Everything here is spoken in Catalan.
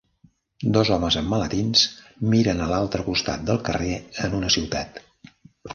Dos homes amb maletins miren a l'altre costat del carrer en una ciutat.